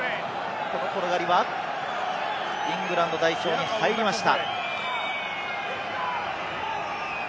この転がりはイングランド代表に入りました。